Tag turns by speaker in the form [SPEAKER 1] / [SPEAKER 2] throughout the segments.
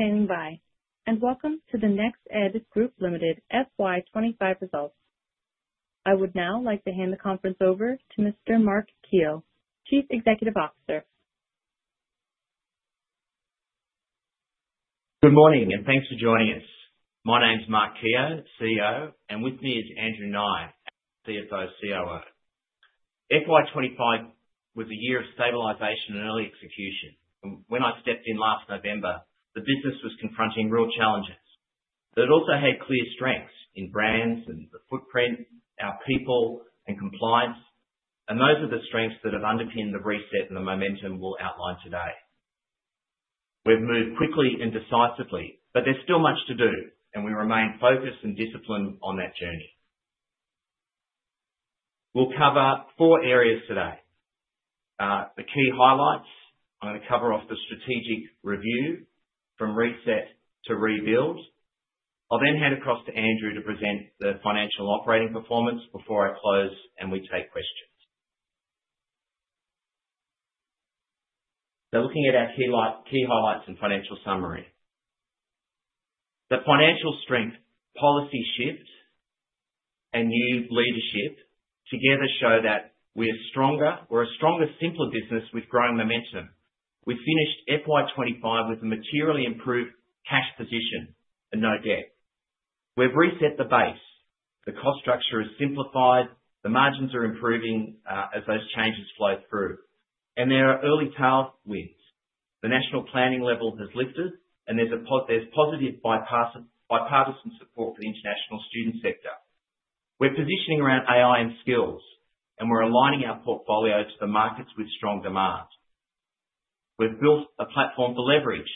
[SPEAKER 1] Thank you for standing by, and welcome to the NextEd Group Limited FY25 results. I would now like to hand the conference over to Mr. Mark Kehoe, Chief Executive Officer.
[SPEAKER 2] Good morning, and thanks for joining us. My name's Mark Kehoe, CEO, and with me is Andrew Nye, CFO and COO. FY 2025 was a year of stabilization and early execution. When I stepped in last November, the business was confronting real challenges. It also had clear strengths in brands and the footprint, our people, and compliance, and those are the strengths that have underpinned the reset and the momentum we'll outline today. We've moved quickly and decisively, but there's still much to do, and we remain focused and disciplined on that journey. We'll cover four areas today. The key highlights: I'm going to cover off the strategic review from reset to rebuild. I'll then hand across to Andrew to present the financial operating performance before I close, and we take questions. So looking at our key highlights and financial summary. The financial strength, policy shift, and new leadership together show that we're a stronger simpler business with growing momentum. We finished FY 2025 with a materially improved cash position and no debt. We've reset the base. The cost structure is simplified. The margins are improving as those changes flow through. There are early tailwinds. The national planning level has lifted, and there's positive bipartisan support for the international student sector. We're positioning around AI and skills, and we're aligning our portfolio to the markets with strong demand. We've built a platform for leverage.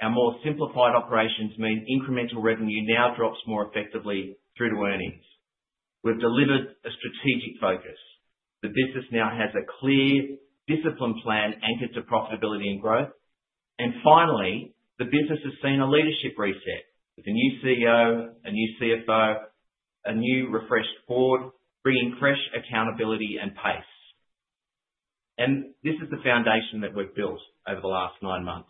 [SPEAKER 2] Our more simplified operations mean incremental revenue now drops more effectively through to earnings. We've delivered a strategic focus. The business now has a clear discipline plan anchored to profitability and growth. Finally, the business has seen a leadership reset with a new CEO, a new CFO, a new refreshed board bringing fresh accountability and pace. This is the foundation that we've built over the last nine months.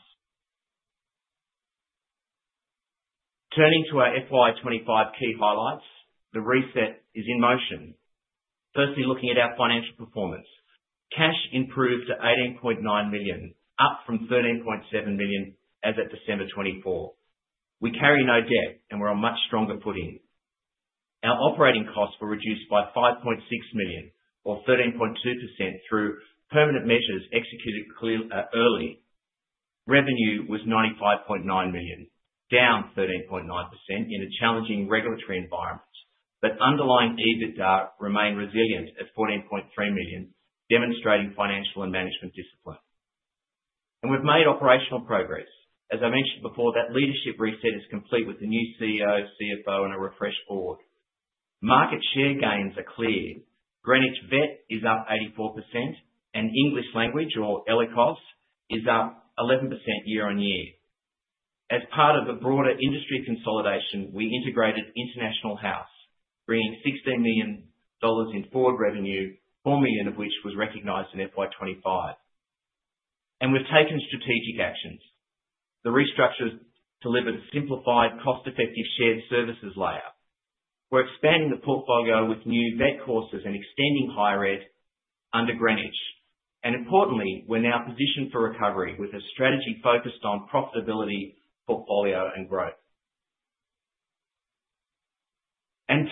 [SPEAKER 2] Turning to our FY25 key highlights, the reset is in motion. Firstly, looking at our financial performance, cash improved to 18.9 million, up from 13.7 million as of December 2024. We carry no debt, and we're on much stronger footing. Our operating costs were reduced by 5.6 million, or 13.2%, through permanent measures executed early. Revenue was 95.9 million, down 13.9% in a challenging regulatory environment. Underlying EBITDA remained resilient at 14.3 million, demonstrating financial and management discipline. We've made operational progress. As I mentioned before, that leadership reset is complete with the new CEO, CFO, and a refreshed board. Market share gains are clear. Greenwich VET is up 84%, and English language, or ELICOS, is up 11% year on year. As part of a broader industry consolidation, we integrated International House, bringing 16 million dollars in forward revenue, four million of which was recognized in FY25. We've taken strategic actions. The restructures delivered a simplified, cost-effective shared services layout. We're expanding the portfolio with new VET courses and extending higher ed under Greenwich. Importantly, we're now positioned for recovery with a strategy focused on profitability, portfolio, and growth.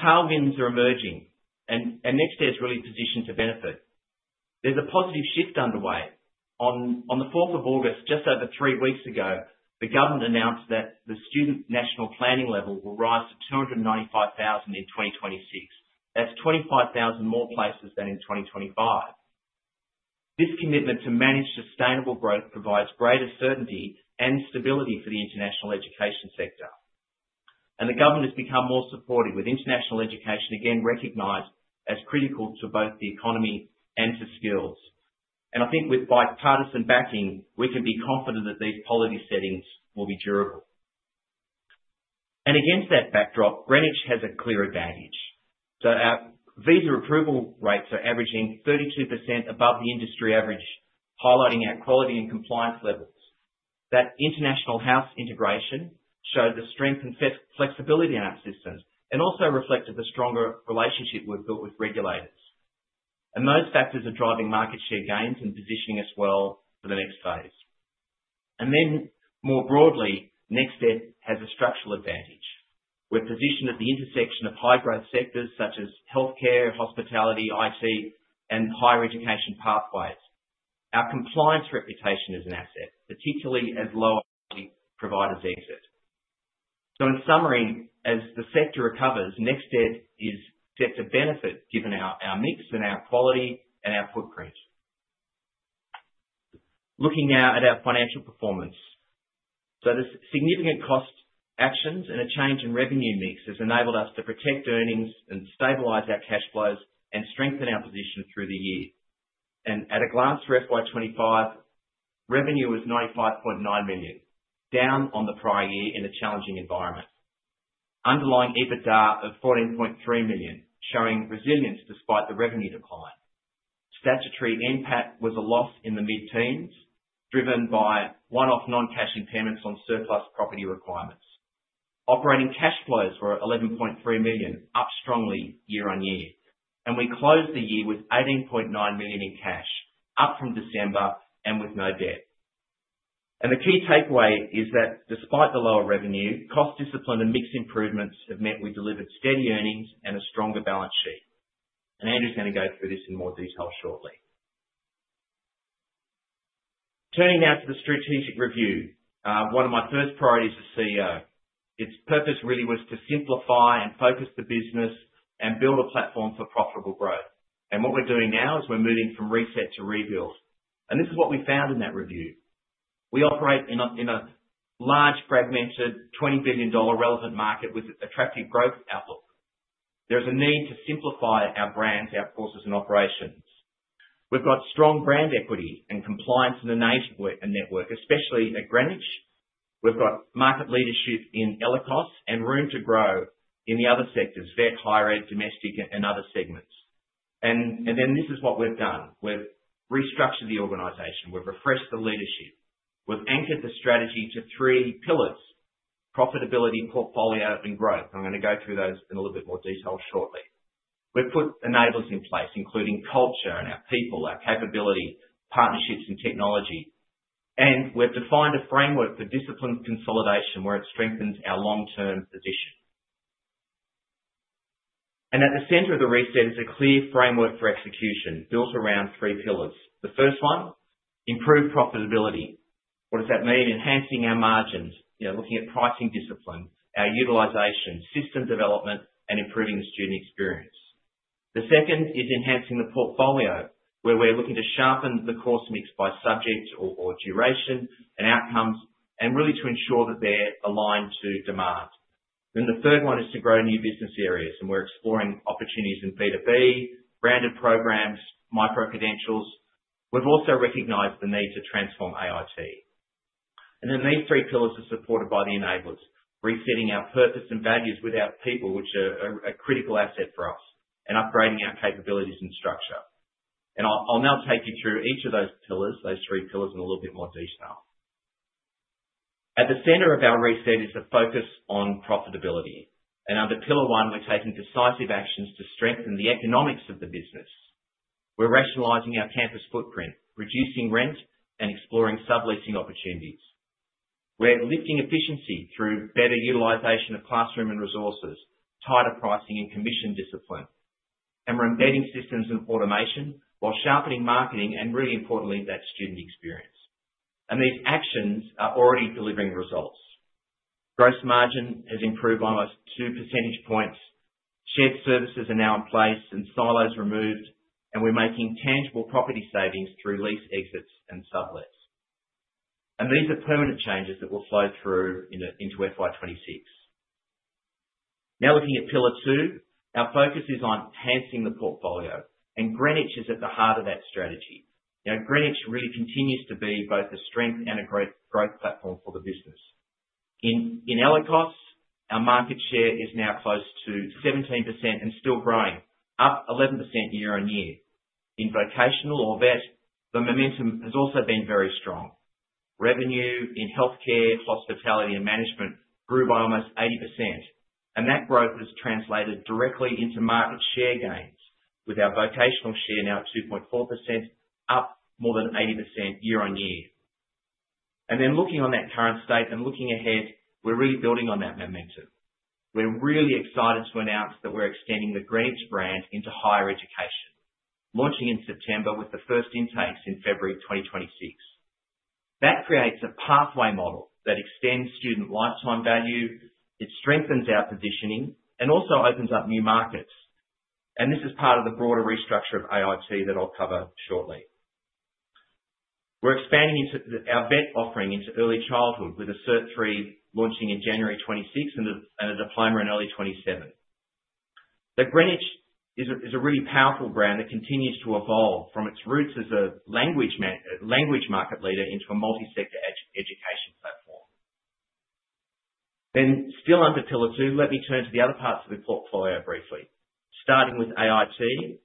[SPEAKER 2] Tailwinds are emerging, and NextEd's really positioned to benefit. There's a positive shift underway. On the 4th of August, just over three weeks ago, the government announced that the student National Planning Level will rise to 295,000 in 2026. That's 25,000 more places than in 2025. This commitment to manage sustainable growth provides greater certainty and stability for the international education sector. The government has become more supportive, with international education again recognized as critical to both the economy and to skills. I think with bipartisan backing, we can be confident that these policy settings will be durable. Against that backdrop, Greenwich has a clear advantage. So our visa approval rates are averaging 32% above the industry average, highlighting our quality and compliance levels. That International House integration showed the strength and flexibility in our systems and also reflected the stronger relationship we've built with regulators. Those factors are driving market share gains and positioning us well for the next phase. Then more broadly, NextEd has a structural advantage. We're positioned at the intersection of high-growth sectors such as healthcare, hospitality, IT, and higher education pathways. Our compliance reputation is an asset, particularly as low-profile providers exit. So in summary, as the sector recovers, NextEd is set to benefit given our mix and our quality and our footprint. Looking now at our financial performance, so the significant cost actions and a change in revenue mix has enabled us to protect earnings and stabilize our cash flows and strengthen our position through the year. At a glance for FY25, revenue was 95.9 million, down on the prior year in a challenging environment. Underlying EBITDA of 14.3 million showing resilience despite the revenue decline. Statutory impact was a loss in the mid-teens driven by one-off non-cash impairments on surplus property requirements. Operating cash flows were 11.3 million, up strongly year on year. We closed the year with 18.9 million in cash, up from December and with no debt. The key takeaway is that despite the lower revenue, cost discipline and mix improvements have meant we delivered steady earnings and a stronger balance sheet. Andrew's going to go through this in more detail shortly. Turning now to the strategic review, one of my first priorities as CEO. Its purpose really was to simplify and focus the business and build a platform for profitable growth. What we're doing now is we're moving from reset to rebuild. This is what we found in that review. We operate in a large fragmented 20 billion dollar relevant market with attractive growth outlook. There's a need to simplify our brands, our courses, and operations. We've got strong brand equity and compliance in the network, especially at Greenwich. We've got market leadership in ELICOS and room to grow in the other sectors: vet, higher ed, domestic, and other segments. Then this is what we've done. We've restructured the organization. We've refreshed the leadership. We've anchored the strategy to three pillars: profitability, portfolio, and growth. I'm going to go through those in a little bit more detail shortly. We've put enablers in place, including culture and our people, our capability, partnerships, and technology. We've defined a framework for discipline consolidation where it strengthens our long-term position. At the center of the reset is a clear framework for execution built around three pillars. The first one, improved profitability. What does that mean? Enhancing our margins, looking at pricing discipline, our utilization, system development, and improving the student experience. The second is enhancing the portfolio where we're looking to sharpen the course mix by subject or duration and outcomes and really to ensure that they're aligned to demand. The third one is to grow new business areas, and we're exploring opportunities in B2B, branded programs, micro-credentials. We've also recognized the need to transform AIT. Then these three pillars are supported by the enablers: resetting our purpose and values with our people, which are a critical asset for us, and upgrading our capabilities and structure. I'll now take you through each of those pillars, those three pillars, in a little bit more detail. At the center of our reset is a focus on profitability. Under pillar one, we're taking decisive actions to strengthen the economics of the business. We're rationalizing our campus footprint, reducing rent, and exploring subleasing opportunities. We're lifting efficiency through better utilization of classroom and resources, tighter pricing, and commission discipline. We're embedding systems and automation while sharpening marketing and, really importantly, that student experience. These actions are already delivering results. Gross margin has improved by almost two percentage points. Shared services are now in place and silos removed, and we're making tangible property savings through lease exits and sublets. These are permanent changes that will flow through into FY26. Now looking at pillar two, our focus is on enhancing the portfolio, and Greenwich is at the heart of that strategy. Greenwich really continues to be both a strength and a growth platform for the business. In ELICOS, our market share is now close to 17% and still growing, up 11% year on year. In vocational or vet, the momentum has also been very strong. Revenue in healthcare, hospitality, and management grew by almost 80%. That growth has translated directly into market share gains, with our vocational share now at 2.4%, up more than 80% year on year. Then looking on that current state and looking ahead, we're really building on that momentum. We're really excited to announce that we're extending the Greenwich brand into higher education, launching in September with the first intakes in February 2026. That creates a pathway model that extends student lifetime value. It strengthens our positioning and also opens up new markets. This is part of the broader restructure of AIT that I'll cover shortly. We're expanding our VET offering into early childhood with a Certificate III launching in January 2026 and a diploma in early 2027. The Greenwich is a really powerful brand that continues to evolve from its roots as a language market leader into a multi-sector education platform. Then still under pillar two, let me turn to the other parts of the portfolio briefly, starting with AIT.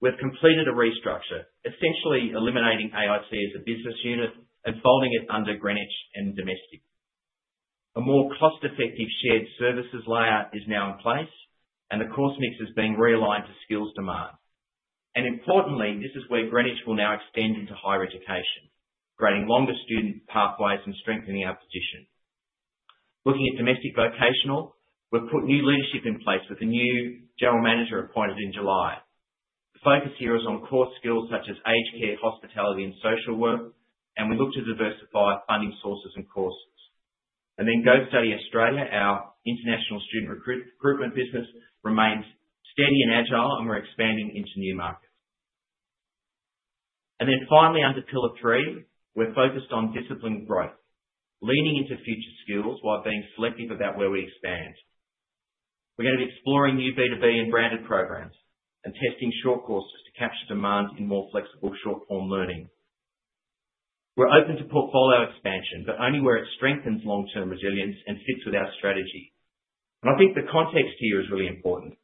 [SPEAKER 2] We've completed a restructure, essentially eliminating AIT as a business unit and folding it under Greenwich and domestic. A more cost-effective shared services layout is now in place, and the course mix is being realigned to skills demand. Importantly, this is where Greenwich will now extend into higher education, creating longer student pathways and strengthening our position. Looking at domestic vocational, we've put new leadership in place with a new general manager appointed in July. The focus here is on core skills such as aged care, hospitality, and social work, and we look to diversify funding sources and courses. Go Study Australia, our international student recruitment business, remains steady and agile, and we're expanding into new markets. Finally, under pillar three, we're focused on disciplined growth, leaning into future skills while being selective about where we expand. We're going to be exploring new B2B and branded programs and testing short courses to capture demand in more flexible short-form learning. We're open to portfolio expansion, but only where it strengthens long-term resilience and fits with our strategy. I think the context here is really important.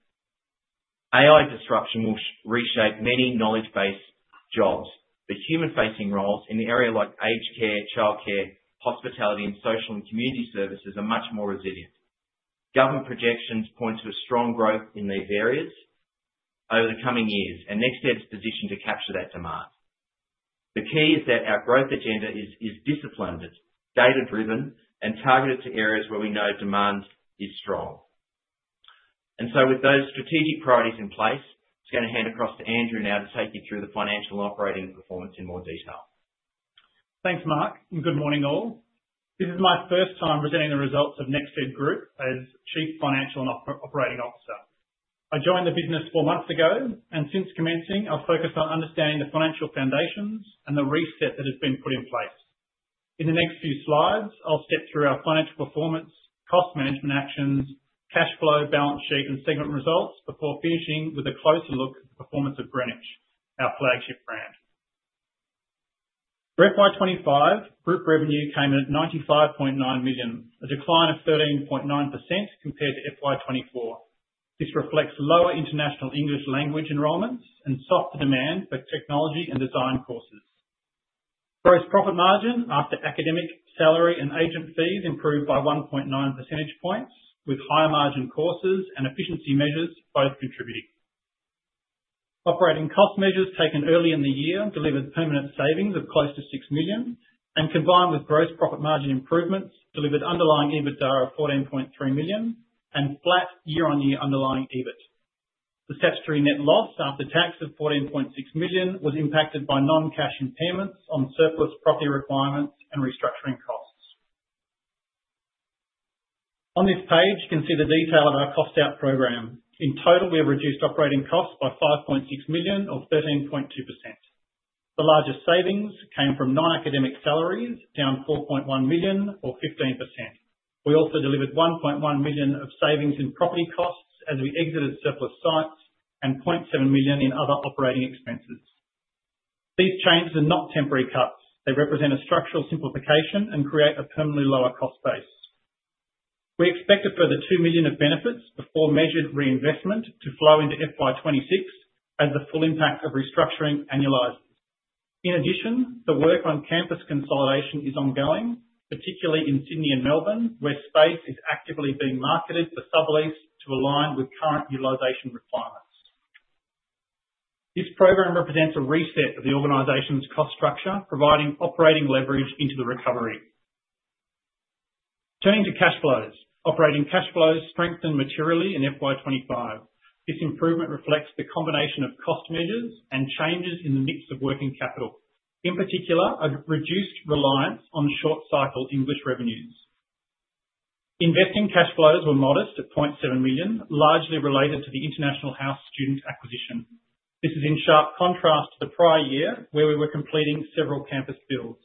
[SPEAKER 2] AI disruption will reshape many knowledge-based jobs. The human-facing roles in the area like aged care, childcare, hospitality, and social and community services are much more resilient. Government projections point to a strong growth in these areas over the coming years, and NextEd's position to capture that demand. The key is that our growth agenda is disciplined, data-driven, and targeted to areas where we know demand is strong. With those strategic priorities in place, I'm going to hand across to Andrew now to take you through the financial and operating performance in more detail.
[SPEAKER 3] Thanks, Mark, and good morning, all. This is my first time presenting the results of NextEd Group as Chief Financial and Operating Officer. I joined the business four months ago, and since commencing, I've focused on understanding the financial foundations and the reset that has been put in place. In the next few slides, I'll step through our financial performance, cost management actions, cash flow, balance sheet, and segment results before finishing with a closer look at the performance of Greenwich, our flagship brand. For FY25, group revenue came in at 95.9 million, a decline of 13.9% compared to FY24. This reflects lower international English language enrollments and softer demand for technology and design courses. Gross profit margin after academic salary and agent fees improved by 1.9 percentage points, with higher margin courses and efficiency measures both contributing. Operating cost measures taken early in the year delivered permanent savings of close to 6 million, and combined with gross profit margin improvements delivered underlying EBITDA of 14.3 million and flat year-on-year underlying EBIT. The statutory net loss after tax of 14.6 million was impacted by non-cash impairments on surplus property requirements and restructuring costs. On this page, you can see the detail of our cost-out program. In total, we have reduced operating costs by 5.6 million, or 13.2%. The largest savings came from non-academic salaries, down 4.1 million, or 15%. We also delivered 1.1 million of savings in property costs as we exited surplus sites and 0.7 million in other operating expenses. These changes are not temporary cuts. They represent a structural simplification and create a permanently lower cost base. We expect a further two million of benefits before measured reinvestment to flow into FY26 as the full impact of restructuring annualizes. In addition, the work on campus consolidation is ongoing, particularly in Sydney and Melbourne, where space is actively being marketed for sublease to align with current utilization requirements. This program represents a reset of the organization's cost structure, providing operating leverage into the recovery. Turning to cash flows, operating cash flows strengthened materially in FY25. This improvement reflects the combination of cost measures and changes in the mix of working capital, in particular a reduced reliance on short-cycle English revenues. Investing cash flows were modest at 0.7 million, largely related to the International House student acquisition. This is in sharp contrast to the prior year where we were completing several campus builds.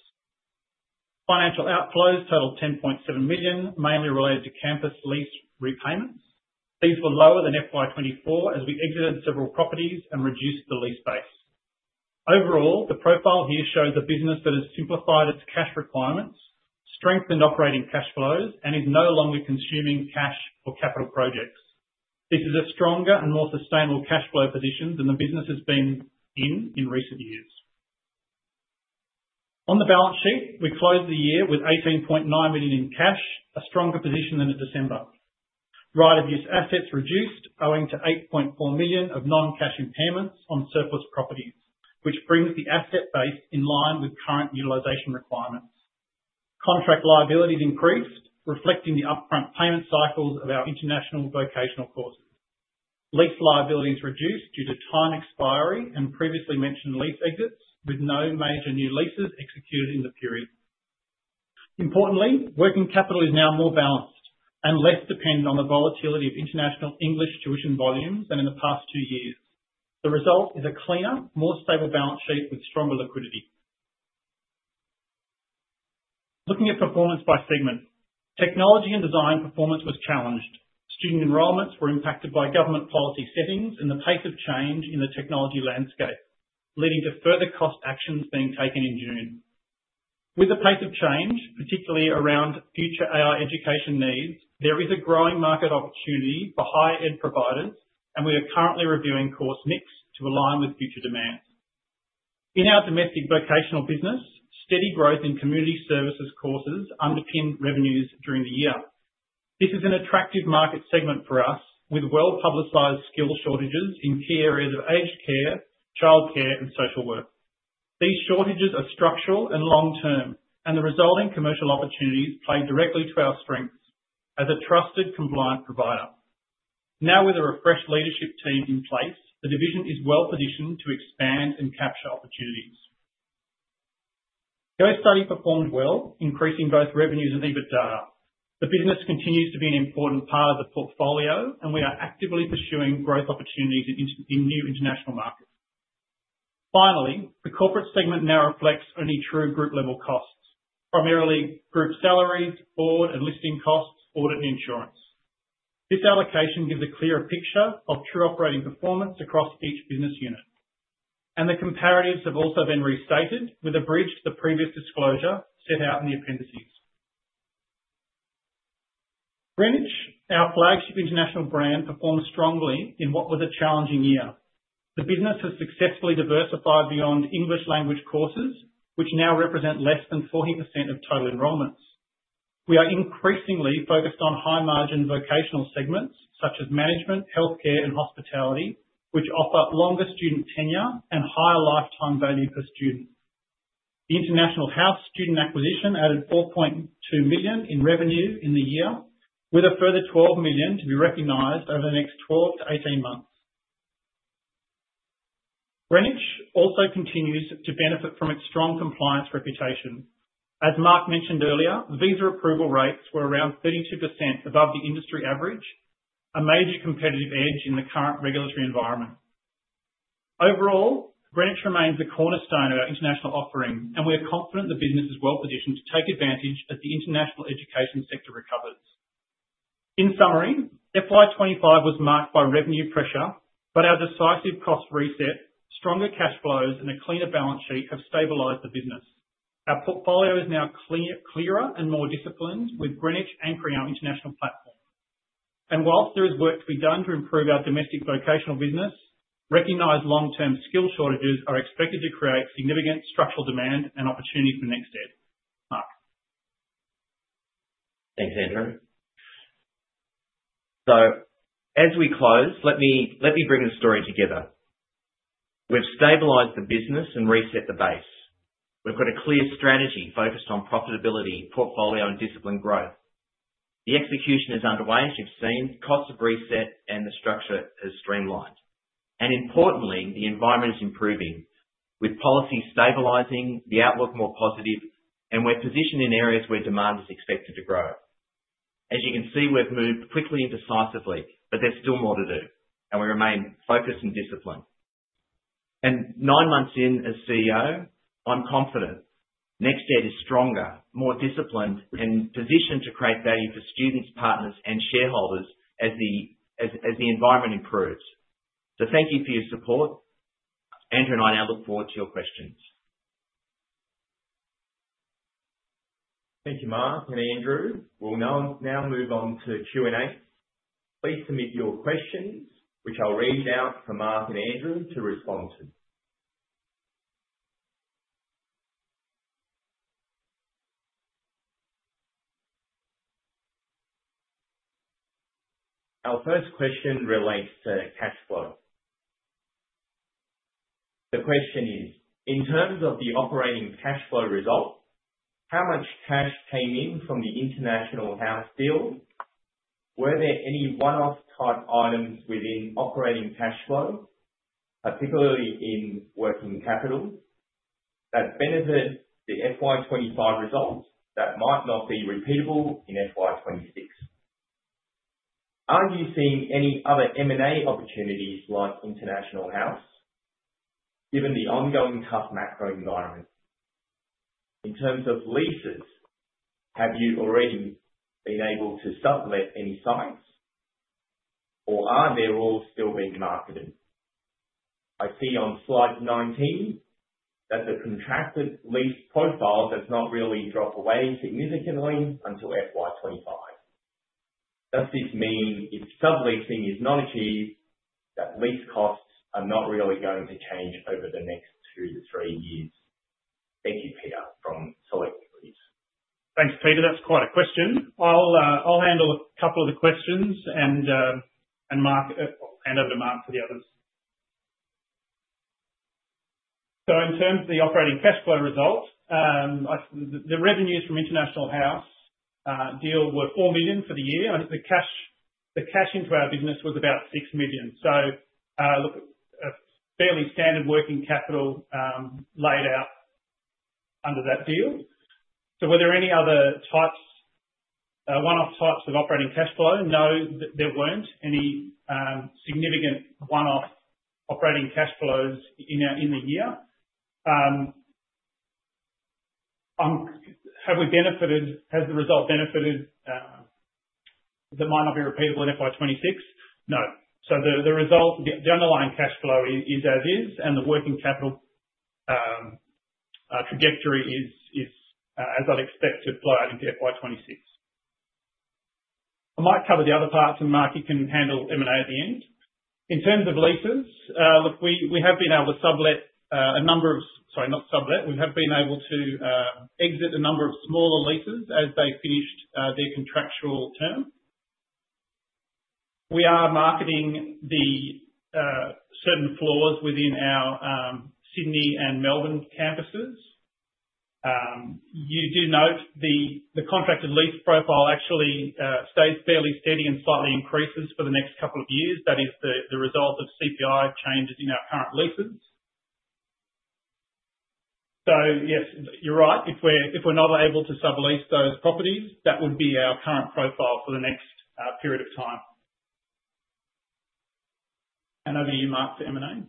[SPEAKER 3] Financial outflows totaled 10.7 million, mainly related to campus lease repayments. These were lower than FY24 as we exited several properties and reduced the lease base. Overall, the profile here shows a business that has simplified its cash requirements, strengthened operating cash flows, and is no longer consuming cash for capital projects. This is a stronger and more sustainable cash flow position than the business has been in in recent years. On the balance sheet, we closed the year with 18.9 million in cash, a stronger position than in December. Right-of-use assets reduced, owing to 8.4 million of non-cash impairments on surplus properties, which brings the asset base in line with current utilization requirements. Contract liabilities increased, reflecting the upfront payment cycles of our international vocational courses. Lease liabilities reduced due to time expiry and previously mentioned lease exits, with no major new leases executed in the period. Importantly, working capital is now more balanced and less dependent on the volatility of international English tuition volumes than in the past two years. The result is a cleaner, more stable balance sheet with stronger liquidity. Looking at performance by segment, technology and design performance was challenged. Student enrollments were impacted by government policy settings and the pace of change in the technology landscape, leading to further cost actions being taken in June. With the pace of change, particularly around future AI education needs, there is a growing market opportunity for higher ed providers, and we are currently reviewing course mix to align with future demands. In our domestic vocational business, steady growth in community services courses underpinned revenues during the year. This is an attractive market segment for us, with well-publicized skill shortages in key areas of aged care, childcare, and social work. These shortages are structural and long-term, and the resulting commercial opportunities play directly to our strengths as a trusted, compliant provider. Now, with a refreshed leadership team in place, the division is well-positioned to expand and capture opportunities. Go Study performed well, increasing both revenues and EBITDA. The business continues to be an important part of the portfolio, and we are actively pursuing growth opportunities in new international markets. Finally, the corporate segment now reflects only true group-level costs, primarily group salaries, board and listing costs, audit, and insurance. This allocation gives a clearer picture of true operating performance across each business unit, and the comparatives have also been restated with a bridge to the previous disclosure set out in the appendices. Greenwich, our flagship international brand, performed strongly in what was a challenging year. The business has successfully diversified beyond English language courses, which now represent less than 40% of total enrollments. We are increasingly focused on high-margin vocational segments such as management, healthcare, and hospitality, which offer longer student tenure and higher lifetime value per student. The International House student acquisition added 4.2 million in revenue in the year, with a further 12 million to be recognized over the next 12 to 18 months. Greenwich also continues to benefit from its strong compliance reputation. As Mark mentioned earlier, visa approval rates were around 32% above the industry average, a major competitive edge in the current regulatory environment. Overall, Greenwich remains a cornerstone of our international offering, and we are confident the business is well-positioned to take advantage as the international education sector recovers. In summary, FY25 was marked by revenue pressure, but our decisive cost reset, stronger cash flows, and a cleaner balance sheet have stabilized the business. Our portfolio is now clearer and more disciplined with Greenwich anchoring our international platform, and whilst there is work to be done to improve our domestic vocational business, recognized long-term skill shortages are expected to create significant structural demand and opportunity for NextEd. Mark.
[SPEAKER 2] Thanks, Andrew. So as we close, let me bring the story together. We've stabilized the business and reset the base. We've got a clear strategy focused on profitability, portfolio, and disciplined growth. The execution is underway, as you've seen. Costs have reset, and the structure has streamlined. Importantly, the environment is improving, with policy stabilizing, the outlook more positive, and we're positioned in areas where demand is expected to grow. As you can see, we've moved quickly and decisively, but there's still more to do, and we remain focused and disciplined. Nine months in as CEO, I'm confident NextEd is stronger, more disciplined, and positioned to create value for students, partners, and shareholders as the environment improves. So thank you for your support. Andrew and I now look forward to your questions.
[SPEAKER 4] Thank you, Mark and Andrew. We'll now move on to Q&A. Please submit your questions, which I'll read out for Mark and Andrew to respond to. Our first question relates to cash flow. The question is, in terms of the operating cash flow result, how much cash came in from the International House deal? Were there any one-off type items within operating cash flow, particularly in working capital, that benefit the FY 2025 results that might not be repeatable in FY 2026? Are you seeing any other M&A opportunities like International House, given the ongoing tough macro environment? In terms of leases, have you already been able to sublet any sites, or are they all still being marketed? I see on Slide 19 that the contracted lease profile does not really drop away significantly until FY 2025. Does this mean if subletting is not achieved, that lease costs are not really going to change over the next two to three years? Thank you, Peter, from Select Equities.
[SPEAKER 3] Thanks, Peter. That's quite a question. I'll handle a couple of the questions, and hand over to Mark for the others. So in terms of the operating cash flow result, the revenues from the International House deal were 4 million for the year, and the cash into our business was about 6 million. So a fairly standard working capital laid out under that deal. So were there any other types, one-off types of operating cash flow? No, there weren't any significant one-off operating cash flows in the year. Have we benefited? Has the result benefited that might not be repeatable in FY26? No. So the underlying cash flow is as is, and the working capital trajectory is as I'd expect to flow out into FY26. I might cover the other parts, and Mark, you can handle M&A at the end. In terms of leases, we have been able to sublet a number of, sorry, not sublet. We have been able to exit a number of smaller leases as they finished their contractual term. We are marketing certain floors within our Sydney and Melbourne campuses. You do note the contracted lease profile actually stays fairly steady and slightly increases for the next couple of years. That is the result of CPI changes in our current leases. So yes, you're right. If we're not able to sublet those properties, that would be our current profile for the next period of time, and over to you, Mark, for M&A.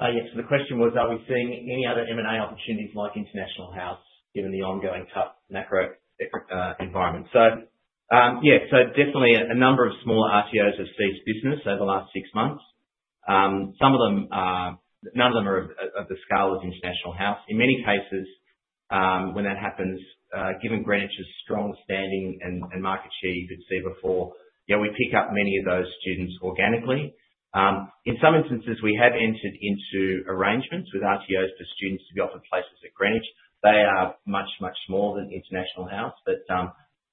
[SPEAKER 2] Yes, so the question was, are we seeing any other M&A opportunities like International House, given the ongoing tough macro environment? Yes, so definitely a number of smaller RTOs have ceased business over the last six months. None of them are of the scale of International House. In many cases, when that happens, given Greenwich's strong standing and market share you could see before, yeah, we pick up many of those students organically. In some instances, we have entered into arrangements with RTOs for students to be offered places at Greenwich. They are much, much more than International House.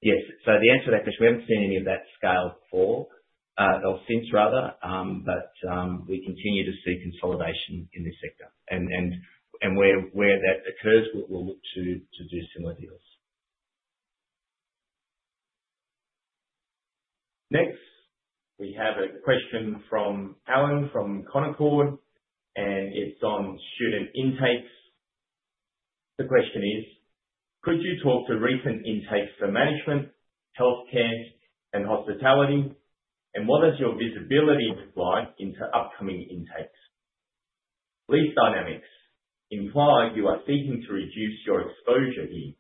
[SPEAKER 2] Yes, so the answer to that question, we haven't seen any of that scale before or since, rather, but we continue to see consolidation in this sector, and where that occurs, we'll look to do similar deals.
[SPEAKER 4] Next, we have a question from Alan from Canaccord, and it's on student intakes. The question is, could you talk to recent intakes for management, healthcare, and hospitality, and what does your visibility look like into upcoming intakes? Lease dynamics imply you are seeking to reduce your exposure here.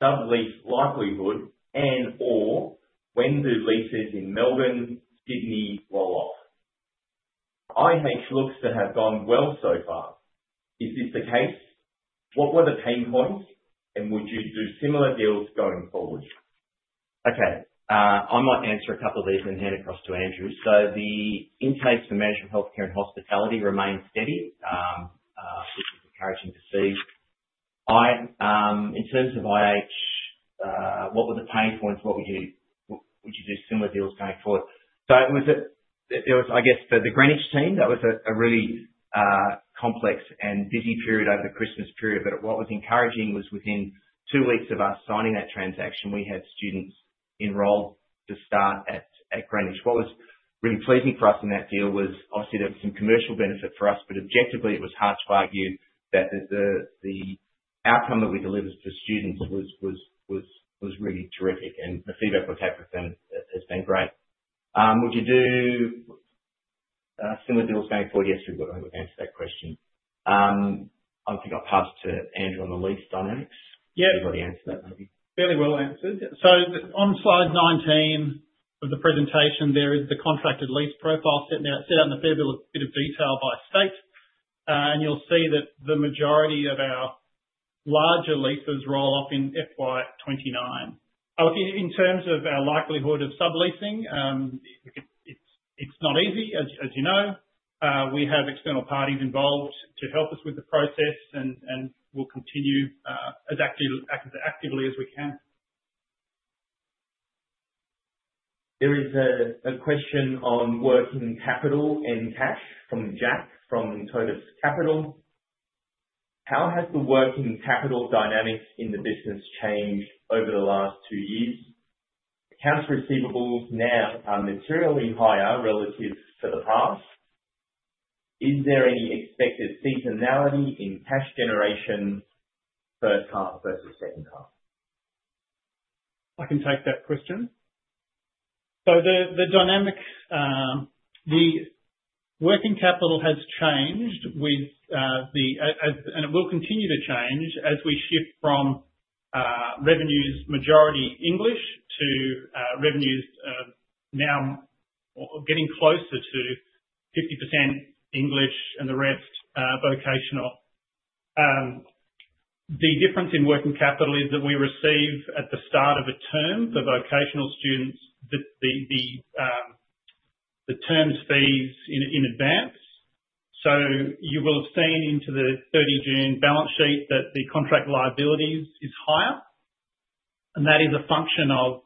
[SPEAKER 4] Sublet likelihood and/or when do leases in Melbourne, Sydney roll off? IH looks to have gone well so far. Is this the case? What were the pain points, and would you do similar deals going forward?
[SPEAKER 2] Okay. I might answer a couple of these and hand it across to Andrew. So the intakes for management, healthcare, and hospitality remain steady, which is encouraging to see. In terms of IH, what were the pain points? What would you do similar deals going forward? So there was, I guess, for the Greenwich team, that was a really complex and busy period over the Christmas period. What was encouraging was within two weeks of us signing that transaction, we had students enrolled to start at Greenwich. What was really pleasing for us in that deal was, obviously, there was some commercial benefit for us, but objectively, it was hard to argue that the outcome that we delivered for students was really terrific, and the feedback we've had from them has been great. Would you do similar deals going forward? Yes, we would. I think we've answered that question. I think I'll pass to Andrew on the lease dynamics.
[SPEAKER 3] Yes.
[SPEAKER 2] Has everybody answered that, maybe?
[SPEAKER 3] Fairly well answered. So on Slide 19 of the presentation, there is the contracted lease profile set out in a fair bit of detail by state. You'll see that the majority of our larger leases roll off in FY29. In terms of our likelihood of subletting, it's not easy, as you know. We have external parties involved to help us with the process, and we'll continue as actively as we can.
[SPEAKER 4] There is a question on working capital and cash from Jack from Totus Capital. How has the working capital dynamics in the business changed over the last two years? Accounts receivables now are materially higher relative to the past. Is there any expected seasonality in cash generation first half versus second half?
[SPEAKER 3] I can take that question. So the dynamic, the working capital has changed, and it will continue to change as we shift from revenues majority English to revenues now getting closer to 50% English and the rest vocational. The difference in working capital is that we receive at the start of a term for vocational students the term fees in advance. So you will have seen in the 30 June balance sheet that the contract liabilities is higher, and that is a function of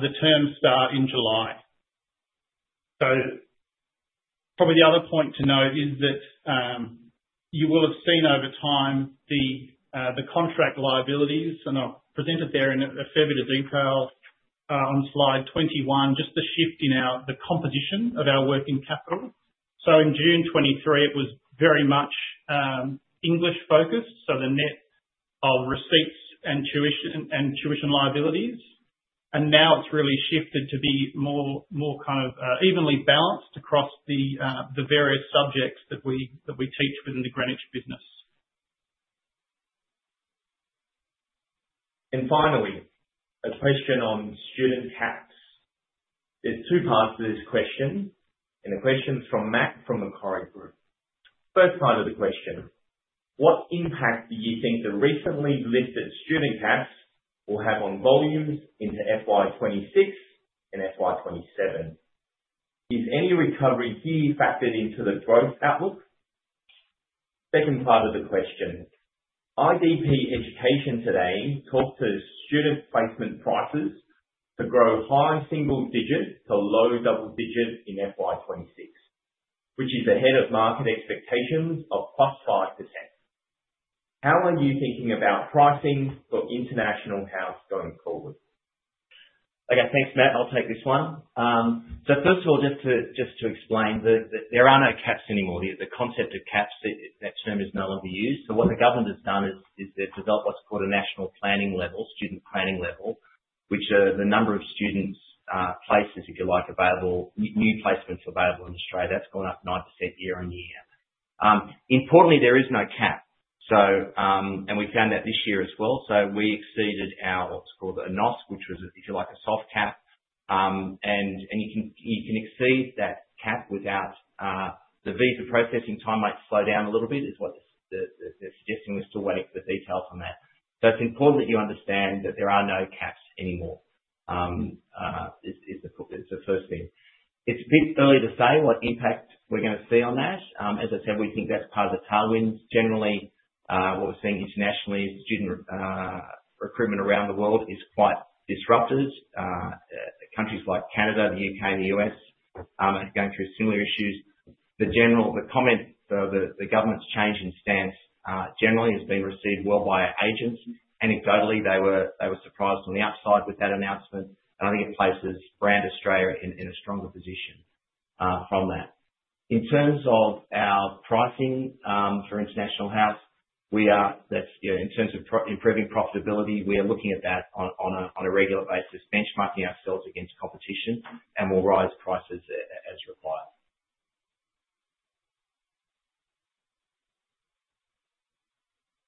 [SPEAKER 3] the term start in July. So probably the other point to note is that you will have seen over time the contract liabilities, and I'll present it there in a fair bit of detail on Slide 21, just the shift in the composition of our working capital. So in June 2023, it was very much English-focused, so the net of receipts and tuition liabilities. Now it's really shifted to be more kind of evenly balanced across the various subjects that we teach within the Greenwich business.
[SPEAKER 4] Finally, a question on student caps. There's two parts to this question, and the question's from Matt from Macquarie Group. First part of the question: What impact do you think the recently listed student caps will have on volumes into FY26 and FY27? Is any recovery here factored into the growth outlook? Second part of the question: IDP Education today talked to student placement prices to grow high single-digit to low double-digit in FY26, which is ahead of market expectations of +5%. How are you thinking about pricing for International House going forward?
[SPEAKER 2] Okay. Thanks, Matt. I'll take this one. So first of all, just to explain, there are no caps anymore. The concept of caps, that term is no longer used. So what the government has done is they've developed what's called a national planning level, student planning level, which are the number of student places, if you like, available, new placements available in Australia. That's gone up 9% year on year. Importantly, there is no cap, and we found that this year as well. So we exceeded our what's called a NOM, which was, if you like, a soft cap. You can exceed that cap without the visa processing time might slow down a little bit, is what they're suggesting. We're still waiting for the details on that. So it's important that you understand that there are no caps anymore is the first thing. It's a bit early to say what impact we're going to see on that. As I said, we think that's part of the tailwinds. Generally, what we're seeing internationally is student recruitment around the world is quite disruptive. Countries like Canada, the U.K., and the U.S. are going through similar issues. The comment, so the government's change in stance, generally has been received well by our agents. Anecdotally, they were surprised on the upside with that announcement, and I think it places brand Australia in a stronger position from that. In terms of our pricing for International House, in terms of improving profitability, we are looking at that on a regular basis, benchmarking ourselves against competition, and we'll raise prices as required.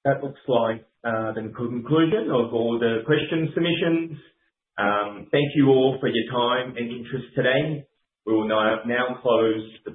[SPEAKER 4] That looks like the conclusion of all the question submissions. Thank you all for your time and interest today. We will now close the.